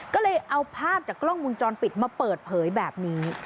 ก็เลยเอาภาพจากกล้องมุมจรปิดมาเปิดเผยแบบนี้